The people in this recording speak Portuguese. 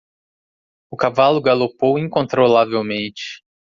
O cavalo galopou incontrolavelmente.